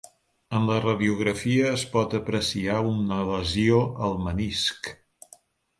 En la radiografia es pot apreciar una lesió al menisc.